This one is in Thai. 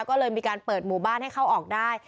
ก็เลยมีการเปิดหมู่บ้านให้เข้าออกได้